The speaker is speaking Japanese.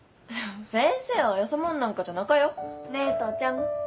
先生はよそもんなんかじゃなかよねえ父ちゃん。